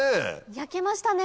焼けましたね。